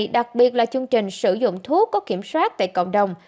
đặc biệt là chương trình sử dụng thuốc có kiểm soát tại cộng đồng